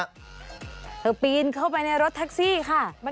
ปีนเข้าไปในรถแท็กซี่ค่ะ